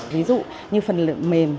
ví dụ như phần mềm